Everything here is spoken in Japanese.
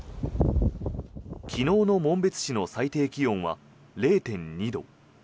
昨日の紋別市の最低気温は０．２度。